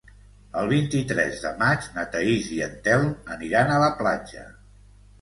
El vint-i-tres de maig na Thaís i en Telm aniran a la platja.